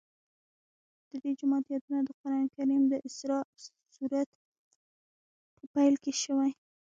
د دې جومات یادونه د قرآن کریم د اسراء سورت په پیل کې شوې.